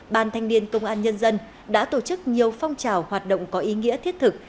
ban thanh niên công an nhân dân đã tổ chức nhiều phong trào hoạt động có ý nghĩa thiết thực